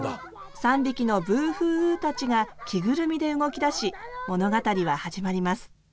３匹のブーフーウーたちが着ぐるみで動きだし物語は始まります。